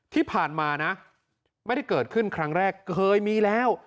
ที่ผ่านมานะไม่ได้เกิดขึ้นครั้งแรกเคยมีแล้ว